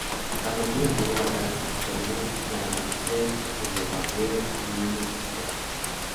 La flotilla arribó a Great Yarmouth al amanecer y bombardeó y minó su puerto.